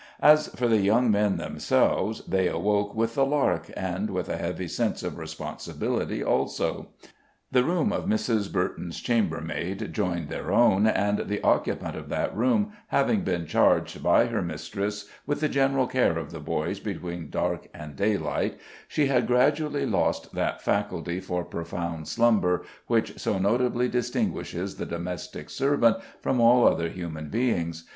As for the young men themselves, they awoke with the lark, and with a heavy sense of responsibility also. The room of Mrs. Burton's chambermaid joined their own, and the occupant of that room having been charged by her mistress with the general care of the boys between dark and daylight, she had gradually lost that faculty for profound slumber which so notably distinguishes the domestic servant from all other human beings.